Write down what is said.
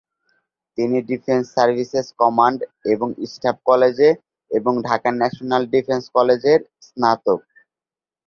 তিনি defence services command এবং staff কলেজে এবং ঢাকা ন্যাশনাল ডিফেন্স কলেজের স্নাতক।